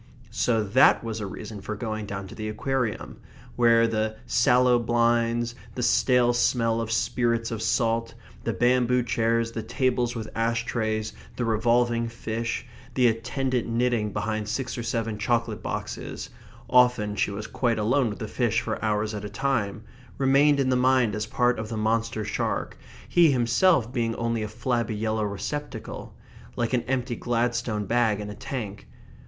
So that was a reason for going down into the Aquarium, where the sallow blinds, the stale smell of spirits of salt, the bamboo chairs, the tables with ash trays, the revolving fish, the attendant knitting behind six or seven chocolate boxes (often she was quite alone with the fish for hours at a time) remained in the mind as part of the monster shark, he himself being only a flabby yellow receptacle, like an empty Gladstone bag in a tank.